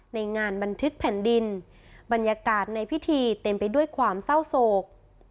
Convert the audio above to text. ในงานบันทึกแผ่นดินบรรยากาศในพิธีเต็มไปด้วยความเศร้าโศก